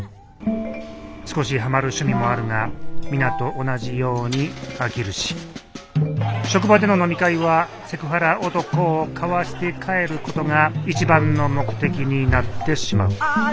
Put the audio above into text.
少しハマる趣味もあるが皆と同じように飽きるし職場での飲み会はセクハラ男をかわして帰ることが一番の目的になってしまうああ